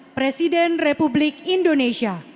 presiden republik indonesia